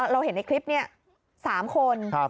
เราเห็นในคลิปนี้๓คน